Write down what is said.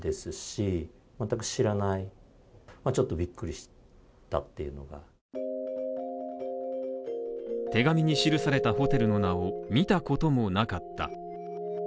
さらに手紙に記されたホテルの名を見たこともなかった。